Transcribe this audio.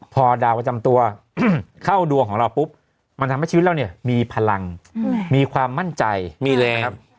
พอดาวประจำตัวเข้าดวงของเราปุ๊บมันทำให้ชีวิตเราเนี่ยมีพลังมีความมั่นใจมีแรง